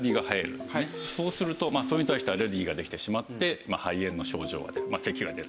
そうするとそれに対してアレルギーができてしまって肺炎の症状が出る咳が出ると。